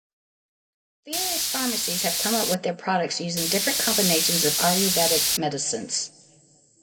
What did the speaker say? Various pharmacies have come up with their products using different combinations of Ayurvedic medicines.